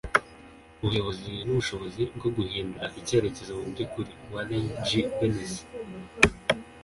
ubuyobozi nubushobozi bwo guhindura icyerekezo mubyukuri. - warren g. bennis